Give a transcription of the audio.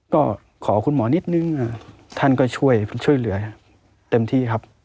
ก็ขอคุณหมอนิดนึงท่านก็ช่วยเหลือเต็มที่ครับ